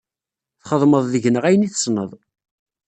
Txedmeḍ deg-neɣ ayen i tessneḍ.